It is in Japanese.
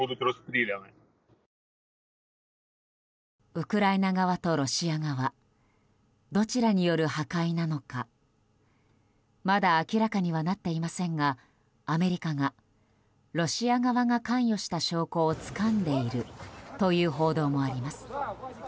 ウクライナ側とロシア側どちらによる破壊なのかまだ明らかにはなっていませんがアメリカがロシア側が関与した証拠をつかんでいるという報道もあります。